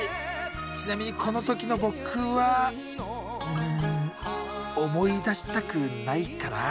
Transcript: ちなみにこの時の僕はうん思い出したくないかな。